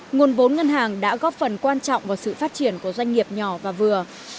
nguồn vốn ngân hàng đã góp phần quan trọng vào sự phát triển của doanh nghiệp nhỏ và vừa